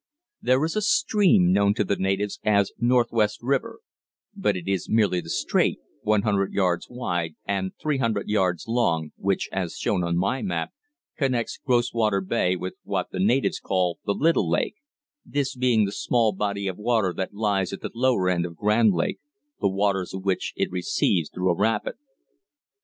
There is a stream known to the natives as Northwest River, but it is merely the strait, one hundred yards wide and three hundred yards long, which, as shown on my map, connects Groswater Bay with what the natives call the Little Lake, this being the small body of water that lies at the lower end of Grand Lake, the waters of which it receives through a rapid.